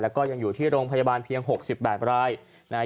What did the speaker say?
แล้วก็ยังอยู่ที่โรงพยาบาลเพียง๖๐แบบราย